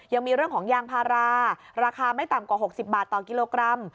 ยังมีเรื่องของยางพาราราคาไม่ต่ำกว่า๖๐บาทต่อกิโลกรัม